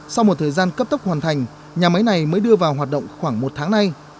sau một thời gian cấp tốc hoàn thành nhà máy này mới đưa vào hoạt động khoảng một tháng nay